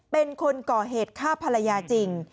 เป็นคนก่อเหตุฆ่าภรรยาจริง